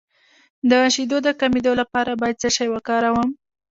د شیدو د کمیدو لپاره باید څه شی وکاروم؟